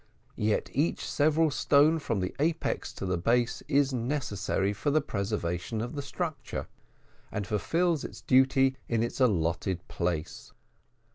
Yet each several stone from the apex to the base is necessary for the preservation of the structure, and fulfils its duty in its allotted place.